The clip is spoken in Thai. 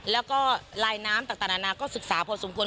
แล้วก็ลายน้ำต่างนานาก็ศึกษาพอสมควร